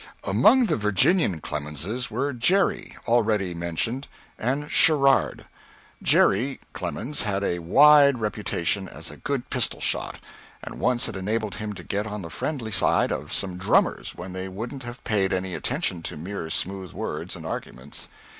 Among the Virginian Clemenses were Jere. (already mentioned), and Sherrard. Jere. Clemens had a wide reputation as a good pistol shot, and once it enabled him to get on the friendly side of some drummers when they wouldn't have paid any attention to mere smooth words and arguments.